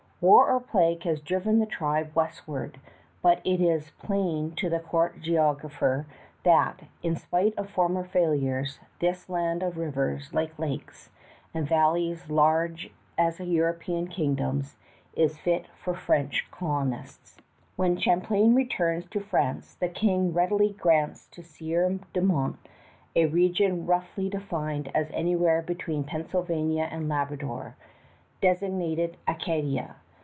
War or plague has driven the tribe westward, but it is plain to the court geographer that, in spite of former failures, this land of rivers like lakes, and valleys large as European kingdoms, is fit for French colonists. [Illustration: THE FANTASTIC ROCKS OF GASPÉ] When Champlain returns to France the King readily grants to Sieur de Monts a region roughly defined as anywhere between Pennsylvania and Labrador, designated Acadia.